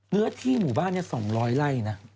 เนื้อที่หมู่บ้านนี้ส่งรอยไล่นะ